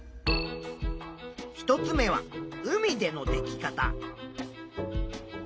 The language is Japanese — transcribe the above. １つ目は海でのでき方。